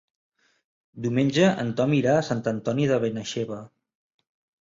Diumenge en Tom irà a Sant Antoni de Benaixeve.